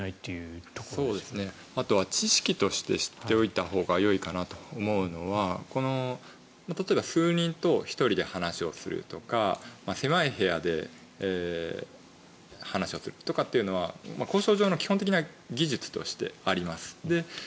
あとは知識として知っておいたほうがいいかなと思うのは例えば数人と１人で話をするとか狭い部屋で話をするとかっていうのは交渉上の基本的な技術としてあります。